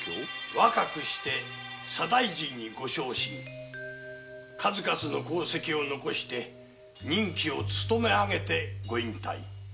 若くして左大臣に昇進され数々の功績を残して任期を勤め上げご引退。